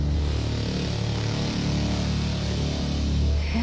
え？